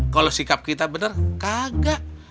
kalau sikap kita benar kagak